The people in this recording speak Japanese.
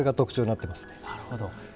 なるほど。